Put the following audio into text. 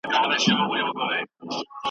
جګړو ډېر ښارونه وران کړل.